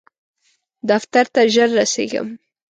دفتر ته ژر رسیږم